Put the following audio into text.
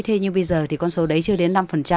thế nhưng bây giờ thì con số đấy chưa đến năm